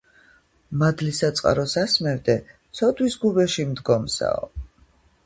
მადლისა წყაროს ასმევდე ცოდვის გუბეში მდგომსაო.